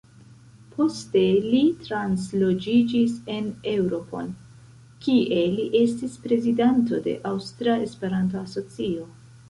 Poste li transloĝiĝis en Eŭropon, kie li estis prezidanto de “Aŭstra Esperanto-Asocio”.